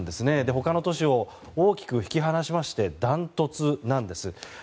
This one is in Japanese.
他の都市を大きく引き離しましてダントツなんです。